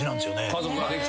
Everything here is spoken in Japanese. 家族ができて。